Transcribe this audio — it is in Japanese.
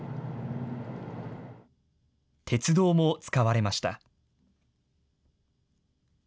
鉄道も使われました。